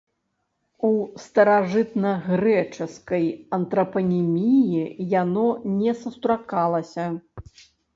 У старажытнагрэчаскай антрапаніміі яно не сустракалася.